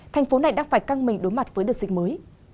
thành phố này đang phải căng mình đối mặt với đợt dịch mới